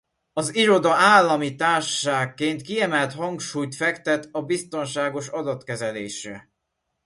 Az iroda állami társaságként kiemelt hangsúlyt fektet a biztonságos adatkezelésre.